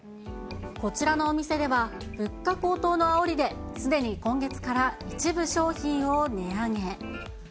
こちらのお店では、物価高騰のあおりで、すでに今月から一部商品を値上げ。